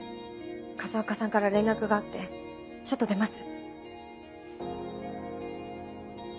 風岡さんから連絡があってちょっと出ます。